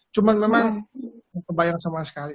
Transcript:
cuma memang nggak terbayang sama sekali